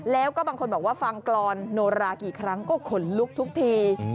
แล้วก็บางคนบอกว่าฟังกรอนโนรากี่ครั้งก็ขนลุกทุกที